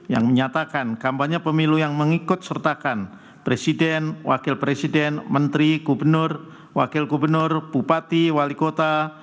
yang menyatakan kampanye pemilu yang mengikut sertakan presiden wakil presiden menteri gubernur wakil gubernur bupati wali kota